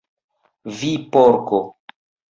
"Vi Porko!"